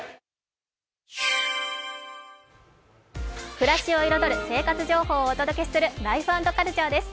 暮らしを彩る生活情報をお届けする「ライフ＆カルチャー」です。